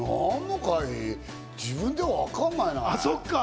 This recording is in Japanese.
自分ではわかんないね。